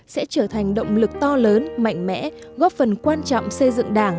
sẽ trở thành động lực to lớn mạnh mẽ góp phần quan trọng xây dựng đảng